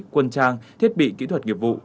quân trang thiết bị kỹ thuật nghiệp vụ